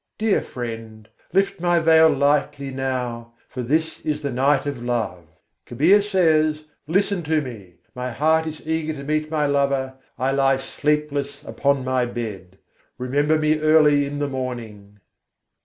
Dear friend, lift my veil lightly now; for this is the night of love. Kabîr says: "Listen to me! My heart is eager to meet my lover: I lie sleepless upon my bed. Remember me early in the morning!"